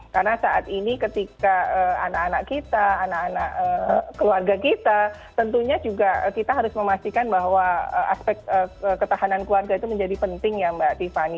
karena saat ini ketika anak anak kita anak anak keluarga kita tentunya juga kita harus memastikan bahwa aspek ketahanan keluarga itu menjadi penting ya mbak rifani